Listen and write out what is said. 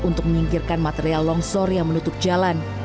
untuk menyingkirkan material longsor yang menutup jalan